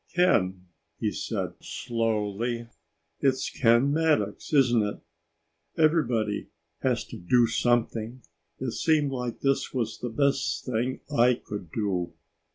"Ken," he said slowly. "It's Ken Maddox, isn't it? Everybody has to do something. It seemed like this was the best thing I could do.